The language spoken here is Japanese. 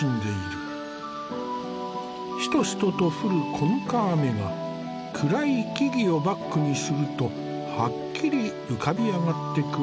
しとしとと降る小ぬか雨が暗い木々をバックにするとはっきり浮かび上がってくるね。